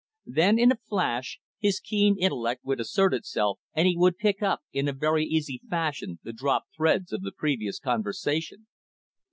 Then, in a flash, his keen intellect would assert itself, and he would pick up, in a very easy fashion the dropped threads of the previous conversation.